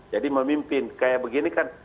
jadi memimpin kayak begini kan